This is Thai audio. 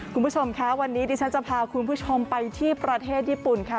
คุณผู้ชมค่ะวันนี้ดิฉันจะพาคุณผู้ชมไปที่ประเทศญี่ปุ่นค่ะ